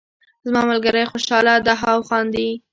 زما ملګری خوشحاله دهاو خاندي